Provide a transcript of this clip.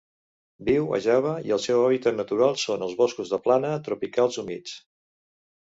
Viu a Java i el seu hàbitat natural són els boscos de plana tropicals humits.